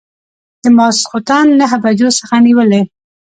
د ماخوستن نهه بجو څخه نیولې.